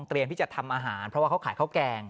ที่จะทำอาหารเพราะว่าเขาขายข้าวแกง